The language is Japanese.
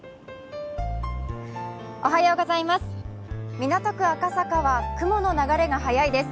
港区赤坂は雲の流れが速いです。